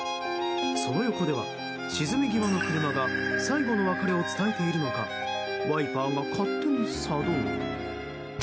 その横では、沈み際の車が最後の別れを伝えているのかワイパーが勝手に作動。